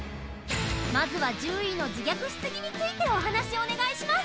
まずは１０位の自虐しすぎについてお話お願いします